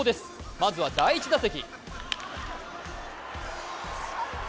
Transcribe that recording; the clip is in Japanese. まずは第１打席。